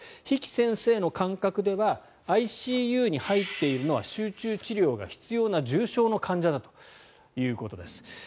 比企先生の感覚ではＩＣＵに入っているのは集中治療が必要な重症の患者だということです。